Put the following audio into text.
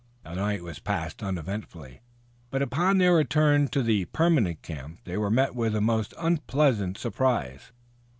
The night was passed uneventfully, but upon their return to the permanent camp they were met with a most unpleasant surprise.